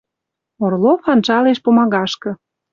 Орлов анжалеш пумагашкы